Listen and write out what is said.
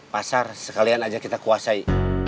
pasar sekalian aja kita kuasai